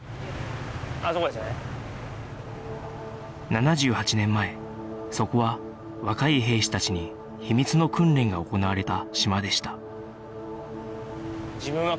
７８年前そこは若い兵士たちに秘密の訓練が行われた島でした